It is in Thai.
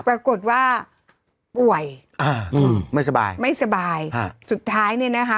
ปรากฏว่าป่วยอ่าอืมไม่สบายไม่สบายฮะสุดท้ายเนี่ยนะคะ